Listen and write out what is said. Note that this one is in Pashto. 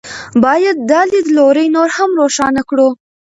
باید دا لیدلوری نور هم روښانه کړو.